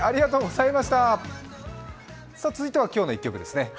続いては今日の１曲ですね。